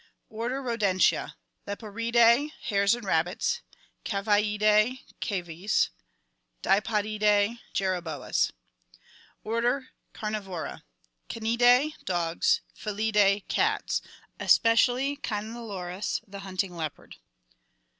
Order Rodentia. Leporidae. Hares and rabbits. Caviidae. Cavies. Dipodidac. Jerboas. Order Carnivora. Canidae. Dogs. Felidae. Cats. Especially Cynalums, the hunting leopard.